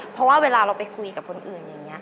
เพราะว่าเวลาเราไปคุยกับคนอื่นอย่างนี้